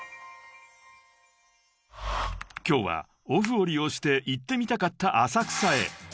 ［今日はオフを利用して行ってみたかった浅草へ］